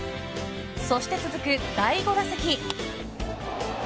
そして続く第５打席。